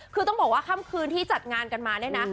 คือต้องบอกว่าค่ำคืนที่จัดงานกันมาเนี่ยนะ